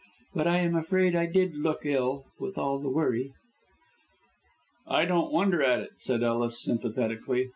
But I am afraid I did look ill, with all the worry." "I don't wonder at it," said Ellis, sympathetically.